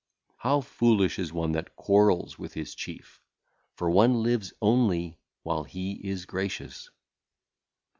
How foolish is one that quarrelleth with his chief, for one liveth only while he is gracious....